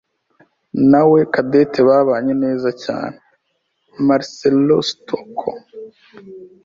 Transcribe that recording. nawe Cadette babanye neza cyane. (marcelostockle)